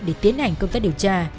để tiến hành công tác điều tra